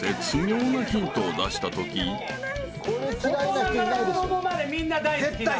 大人から子供までみんな大好きなはず。